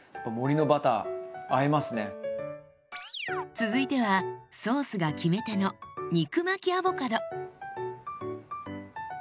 続いてはソースが決め手の肉巻きアボカド。